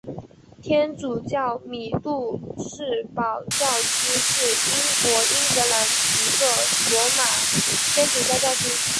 天主教米杜士堡教区是英国英格兰一个罗马天主教教区。